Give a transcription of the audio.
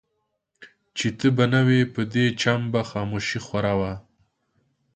چي ته به نه وې په دې چم به خاموشي خوره وه